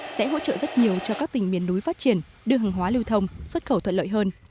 sẽ hỗ trợ rất nhiều cho các tỉnh miền núi phát triển đưa hàng hóa lưu thông xuất khẩu thuận lợi hơn